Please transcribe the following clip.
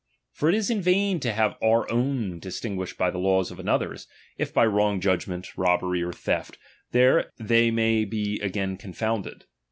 For it is in vain to have our own ^^H distinguished by the laws from another's, if by ^^M wrong judgment, robbery, or theft, they may be ^^M again confounded.